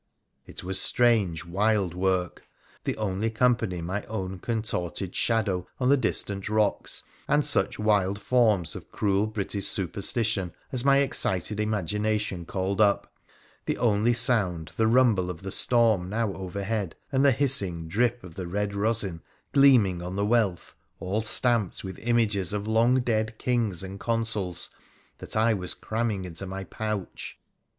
It was strange, wild work, the only company my own contorted shadow on the distant rocks and such wild forms of cruel British superstition as my excited imagination called up, the only sound the rumble of the storm, now overhead, and the hissing drip of the red rosin gleaming on the wealth, all stamped with images of long dead Kings and Consuls, that I was cramming into my pouch